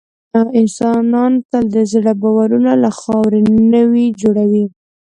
انسانان تل د زړو باورونو له خاورو نوي جوړوي.